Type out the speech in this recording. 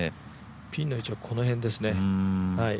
ピンの位置はこの辺ですね。